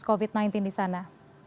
apa penyebabnya covid sembilan belas di sana